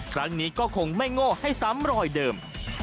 ครั้งนี้ก็คงไม่โง่ให้ซ้ำรอยเดิม